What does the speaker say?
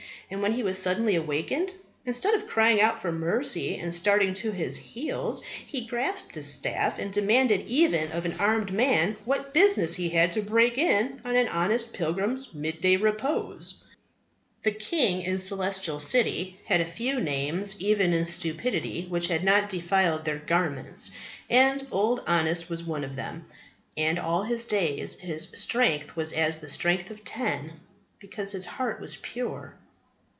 And, when he was suddenly awaked, instead of crying out for mercy and starting to his heels, he grasped his staff and demanded even of an armed man what business he had to break in on an honest pilgrim's midday repose! The King of the Celestial City had a few names even in Stupidity which had not defiled their garments, and Old Honest was one of them. And all his days his strength was as the strength of ten, because his heart was pure.